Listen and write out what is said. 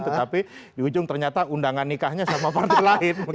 tetapi di ujung ternyata undangan nikahnya sama partai lain